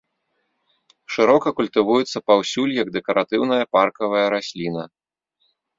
Шырока культывуецца паўсюль як дэкаратыўная паркавая расліна.